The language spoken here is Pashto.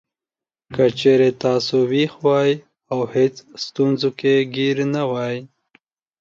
که چېرې تاسو وېښ وئ او هېڅ ستونزو کې ګېر نه وئ.